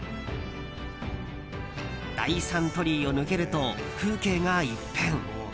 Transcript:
第三鳥居を抜けると風景が一変。